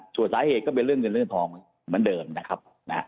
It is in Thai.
ส่วนสาเธอก็เป็นเรื่องทองเหมือนเดิมนะครับ